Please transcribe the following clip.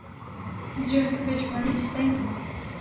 দুজনকে বেশ মানিয়েছে, তাই না?